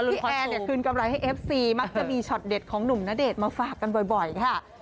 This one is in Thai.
แอร์เนี่ยคืนกำไรให้เอฟซีมักจะมีช็อตเด็ดของหนุ่มณเดชน์มาฝากกันบ่อยค่ะ